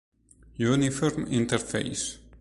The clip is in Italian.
Uniform interface.